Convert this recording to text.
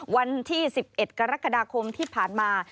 วันที่๑๑กรกฎาคมที่ผ่านมา